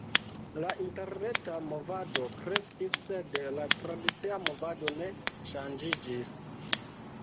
La interreta movado kreskis, sed la tradica movado ne ŝanĝiĝis.